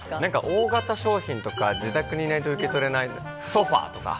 大型商品とか自宅にいないと受け取れないソファとか。